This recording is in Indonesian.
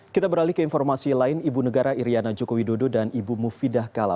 kita beralih ke informasi lain ibu negara iryana joko widodo dan ibu mufidah kala